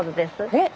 えっ？